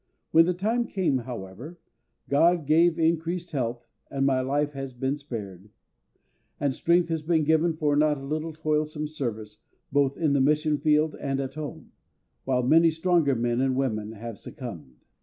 When the time came, however, GOD gave increased health, and my life has been spared, and strength has been given for not a little toilsome service both in the mission field and at home, while many stronger men and women have succumbed.